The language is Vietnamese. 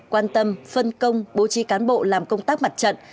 quan tâm phân công bố trí cán bộ làm công tác mặt trận